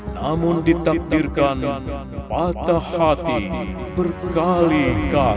namun ditakdirkan patah hati berkali kali